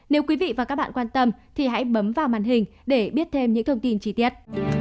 nếu quý vị và các bạn quan tâm thì hãy bấm vào màn hình để biết thêm những thông tin chi tiết